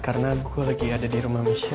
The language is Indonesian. karena gue lagi ada di rumah michelle